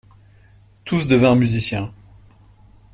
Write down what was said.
Tous devinrent musiciens.